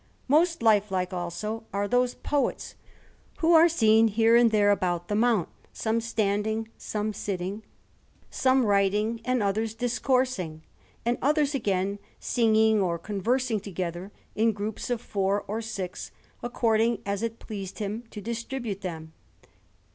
Most lifelike, also, are those Poets who are seen here and there about the mount, some standing, some seated, some writing, and others discoursing, and others, again, singing or conversing together, in groups of four or six, according as it pleased him to distribute them.